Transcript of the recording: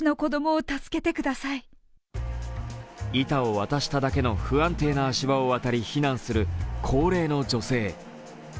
板を渡しただけの不安定な足場を渡り、避難する高齢の女性。